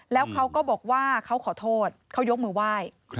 แล้วเขาก็บอกว่าเขาขอโทษเขายกมือไหว้